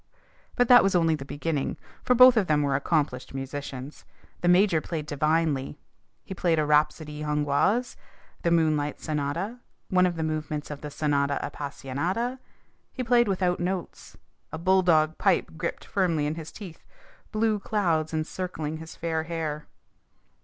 But that was only the beginning. For both of them were accomplished musicians. The major played divinely. He played a Rhapsodie Hongroise, the Moonlight Sonata, one of the movements of the Sonata Appassionata. He played without notes, a bulldog pipe gripped firmly in his teeth, blue clouds encircling his fair hair.